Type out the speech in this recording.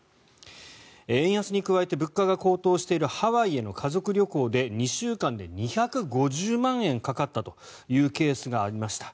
円安に加えて物価が高騰しているハワイへの家族旅行で、２週間で２５０万円かかったというケースがありました。